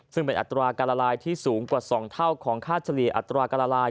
ซึ่งเป็นอัตราการละลายที่สูงกว่า๒เท่าของค่าเฉลี่ยอัตราการละลาย